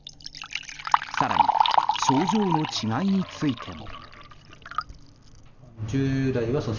更に、症状の違いについても。